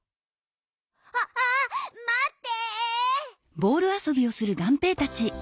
あっまって。